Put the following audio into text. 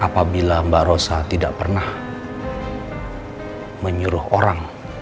apabila mbak rosa tidak pernah menyuruh orang